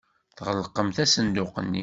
Tɣelqemt asenduq-nni.